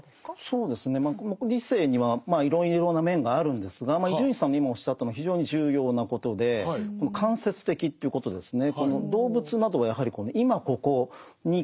そうですねまあ理性にはいろいろな面があるんですが伊集院さんの今おっしゃったのは非常に重要なことでこの間接的ということですね。